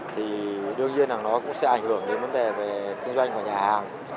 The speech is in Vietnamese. thì đương nhiên là nó cũng sẽ ảnh hưởng đến vấn đề về kinh doanh của nhà hàng